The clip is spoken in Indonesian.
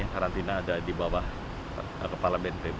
karantina ada di bawah kepala bnpb